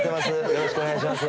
よろしくお願いします。